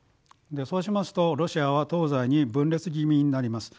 そうしますとロシアは東西に分裂気味になります。